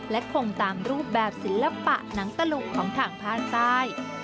และคงตามรูปแบบศิลปะหนังตลกของทางภาคใต้